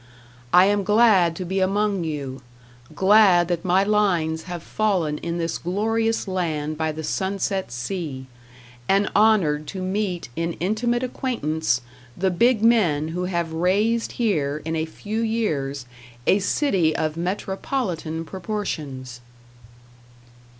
I am glad to be among you; glad that my lines have fallen in this glorious land by the sunset sea, and honored to meet in intimate acquaintance the big men who have raised here in a few years a city of metropolitan proportions."